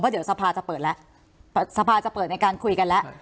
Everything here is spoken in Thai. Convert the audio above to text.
เดี๋ยวสภาจะเปิดแล้วสภาจะเปิดในการคุยกันแล้ว